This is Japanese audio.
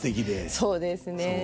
そうですね。